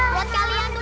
buat kalian tuh